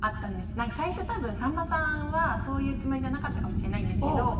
何か最初たぶんさんまさんはそういうつもりじゃなかったかもしれないんですけど。